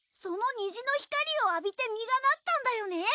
その虹の光を浴びて実がなったんだよね。